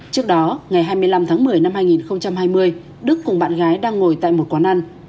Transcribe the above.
trước đó ngày hai mươi năm tháng một mươi năm hai nghìn hai mươi đức cùng bạn gái đang ngồi tại một quán ăn